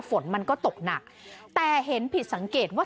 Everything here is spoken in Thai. ฝนมันก็ตกหนักแต่เห็นผิดสังเกตว่า